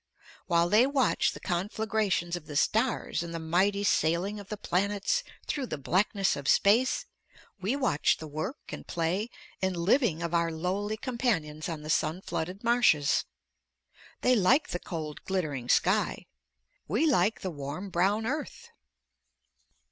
While they watch the conflagrations of the stars and the mighty sailing of the planets through the blackness of space, we watch the work and play and living of our lowly companions on the sun flooded marshes. They like the cold glittering sky; we like the warm brown earth.